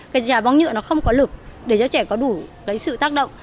cái trái bóng nhựa nó không có lực để cho trẻ có đủ sự tác động